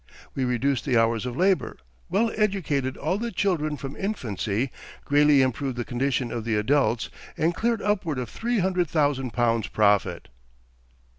We reduced the hours of labor, well educated all the children from infancy, greatly improved the condition of the adults, and cleared upward of three hundred thousand pounds profit."